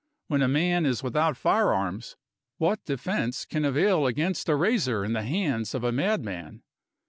When a man is without firearms, what defense can avail against a razor in the hands of a madman?